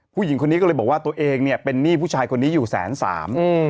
ผู้หญิงคนนี้ก็เลยบอกว่าตัวเองเนี่ยเป็นหนี้ผู้ชายคนนี้อยู่แสนสามอืม